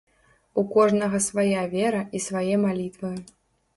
У кожнага свая вера і свае малітвы.